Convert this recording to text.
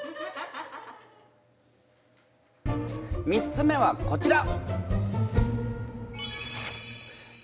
３つ目はこちら。